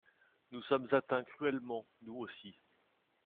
Nous sommes atteints cruellement, nous aussi…